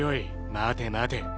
待て待て。